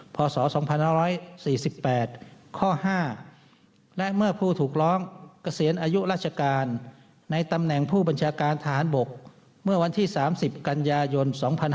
พศ๒๕๔๘ข้อ๕และเมื่อผู้ถูกร้องเกษียณอายุราชการในตำแหน่งผู้บัญชาการทหารบกเมื่อวันที่๓๐กันยายน๒๕๖๒